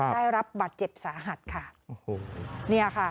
ได้รับบัตรเจ็บสาหัสค่ะโอ้โหเนี่ยค่ะ